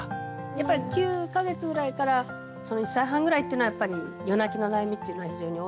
やっぱり９か月ぐらいから１歳半ぐらいっていうのはやっぱり夜泣きの悩みっていうのは非常に多い。